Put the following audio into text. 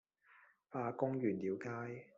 化工原料街